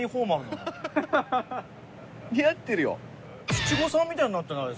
七五三みたいになってない？